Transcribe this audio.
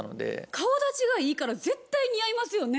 顔だちがいいから絶対似合いますよね。